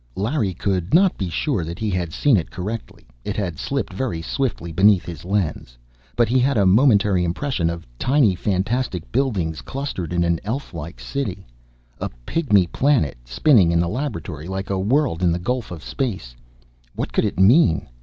Larry could not be sure that he had seen correctly. It had slipped very swiftly beneath his lens. But he had a momentary impression of tiny, fantastic buildings, clustered in an elflike city. A pygmy planet, spinning in the laboratory like a world in the gulf of space! What could it mean?